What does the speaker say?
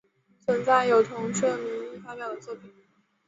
存在有同社名义发表的作品。